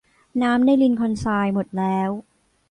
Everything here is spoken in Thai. น้ำในลินคอล์นไชร์หมดแล้ว